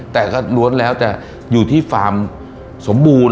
แต่ก็ล้วนแล้วแต่อยู่ที่ฟาร์มสมบูรณ์